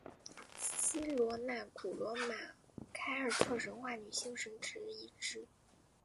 希罗纳古罗马凯尔特神话女性神只之一。